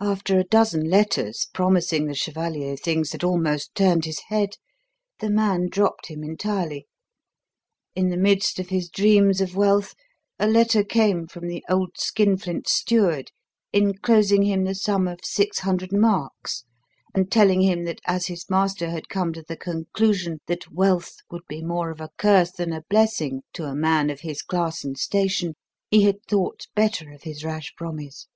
After a dozen letters promising the chevalier things that almost turned his head, the man dropped him entirely. In the midst of his dreams of wealth a letter came from the old skinflint's steward enclosing him the sum of six hundred marks, and telling him that as his master had come to the conclusion that wealth would be more of a curse than a blessing to a man of his class and station, he had thought better of his rash promise.